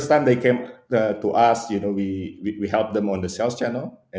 kami membantu mereka di saluran jualan